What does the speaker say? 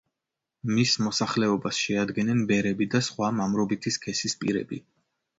მის მოსახლეობას შეადგენენ ბერები და სხვა მამრობითი სქესის პირები.